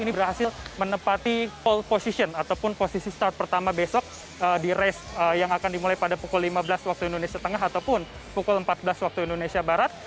ini berhasil menempati pole position ataupun posisi start pertama besok di race yang akan dimulai pada pukul lima belas waktu indonesia tengah ataupun pukul empat belas waktu indonesia barat